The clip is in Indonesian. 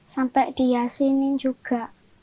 sampai diyasinin juga